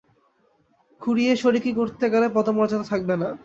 খুঁড়িয়ে শরিকি করতে গেলে পদমর্যাদা থাকবে না।